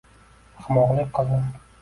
Ahmoqlik qildim